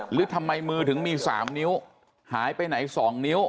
หรือทำไมมือถึงมี๓นิ้วหายไปไหน๒นิ้ว